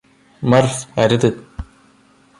മര്ഫ് അരുത്